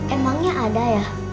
emangnya ada ya